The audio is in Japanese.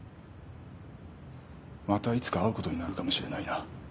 またいつか会うことになるかもしれないな。